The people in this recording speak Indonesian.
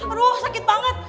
aduh sakit banget